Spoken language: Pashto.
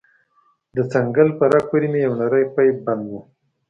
د څنگل په رگ پورې مې يو نرى پيپ بند و.